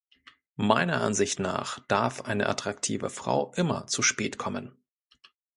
Meiner Ansicht nach darf eine attraktive Frau immer zu spät kommen.